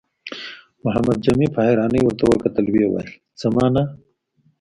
محمد جامي په حيرانۍ ورته وکتل، ويې ويل: څه مانا؟